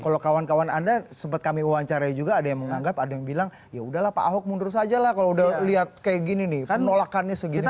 kalau kawan kawan anda sempat kami wawancarai juga ada yang menganggap ada yang bilang yaudahlah pak ahok mundur saja lah kalau udah lihat kayak gini nih penolakannya segini